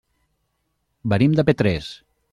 Venim de Petrés.